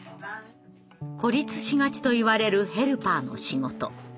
「孤立しがち」といわれるヘルパーの仕事。